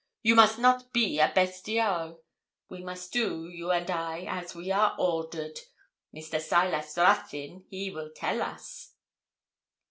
You must not be a bestiole. We must do, you and I, as we are ordered. Mr. Silas Ruthyn he will tell us.'